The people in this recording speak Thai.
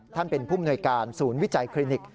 ท่านเป็นผู้มนวยการศูนย์วิจัยคลินิก